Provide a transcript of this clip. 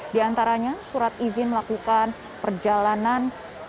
di antaranya surat izin melakukan perjalanan